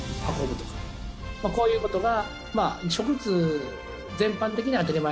こういうことが。